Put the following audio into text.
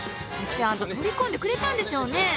ちゃんと取り込んでくれたんでしょうね。